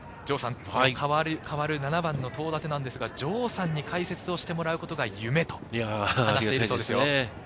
７番の東舘ですが、城さんに解説してもらうことが夢と話しているそうですよ。